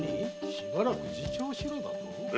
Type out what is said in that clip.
しばらく自重しろだと？